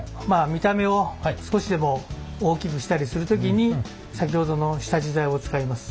見た目を少しでも大きくしたりする時に先ほどの下地材を使います。